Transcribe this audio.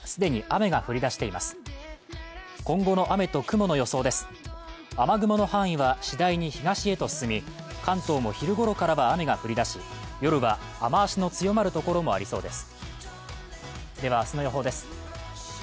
雨雲の範囲は次第に東へと進み関東も昼ごろからは雨が降り出し、夜は雨足の強まる所もありそうです。